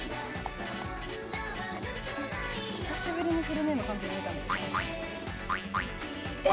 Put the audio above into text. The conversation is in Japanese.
久しぶりにフルネーム漢字で見たな。